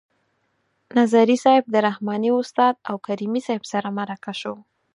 نظري صیب د رحماني استاد او کریمي صیب سره مرکه شو.